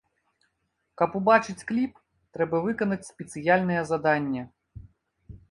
Каб убачыць кліп, трэба выканаць спецыяльнае заданне.